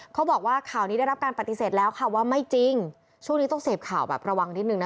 เขาบอกว่าข่าวนี้ได้รับการปฏิเสธแล้วค่ะว่าไม่จริงช่วงนี้ต้องเสพข่าวแบบระวังนิดนึงนะ